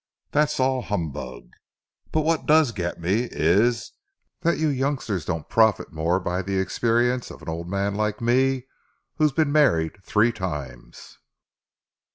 That's all humbug. But what does get me is, that you youngsters don't profit more by the experience of an old man like me who's been married three times.